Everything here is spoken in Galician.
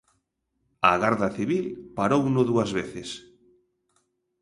A Garda Civil parouno dúas veces.